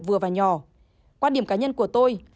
vừa và nhỏ quan điểm cá nhân của tôi